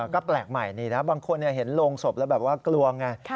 ก็แปลกใหม่นี่นะบางคนเห็นโรงศพแล้วแบบว่ากลัวไง